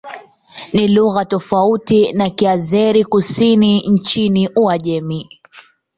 Ni lugha tofauti na Kiazeri-Kusini nchini Uajemi.